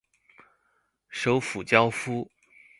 首府焦夫。